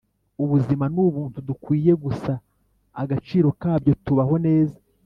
ubuzima nubuntu dukwiye gusa agaciro kabyo tubaho neza.